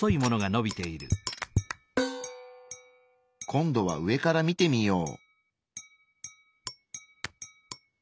今度は上から見てみよう。